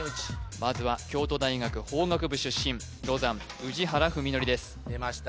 まずは京都大学法学部出身ロザン宇治原史規ですでました